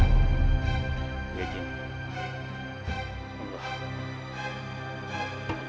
udah deh pak cepetan pergi